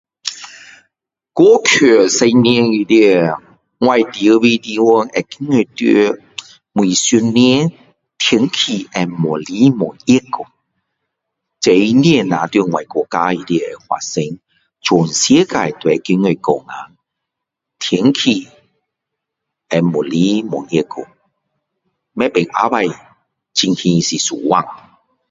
过去十年里面的我住的地方会觉得到每一年天气会越来越热去这不只是发生在我的国家里面发生全世界都会觉得说阿天气会越来越热不懂以后情型是怎样的